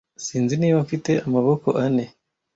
sinzi niba mfite amaboko ane